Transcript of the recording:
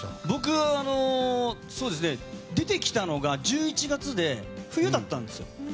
僕は、出てきたのが１１月で冬だったんですよ。